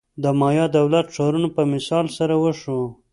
د مایا دولت-ښارونو په مثال سره وښیو.